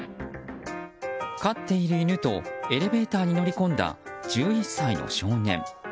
飼っている犬とエレベーターに乗り込んだ１１歳の少年。